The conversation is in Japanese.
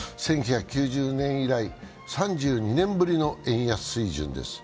１９９０年以来、３２年ぶりの円安水準です。